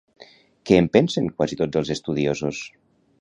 Què en pensen quasi tots els estudiosos?